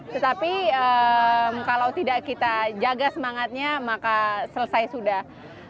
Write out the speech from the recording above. tetapi kalau tidak kita jaga semangatnya maka selesai sudah